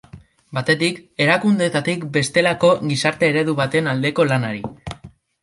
Batetik, erakundeetatik bestelako gizarte eredu baten aldeko lanari.